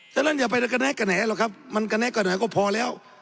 ฉะนั้นอย่าไปกระแนะกระแหหรอกครับมันกระแนะกระแหก็พอแล้ว